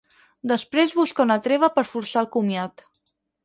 Després busca una treva per forçar el comiat.